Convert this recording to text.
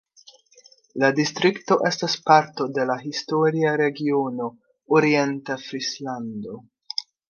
La distrikto estas parto de la historia regiono Orienta Frislando.